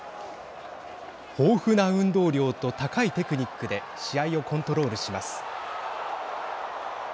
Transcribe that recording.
豊富な運動量と高いテクニックで試合をコントロールします。